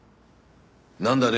なんだね？